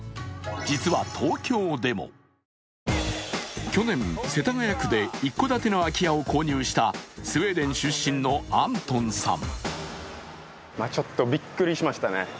実は東京でも去年、世田谷区で一戸建ての空き家を購入した、スウェーデン出身のアントンさん。